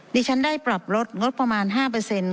ดิฉันได้ปรับลดงบประมาณ๕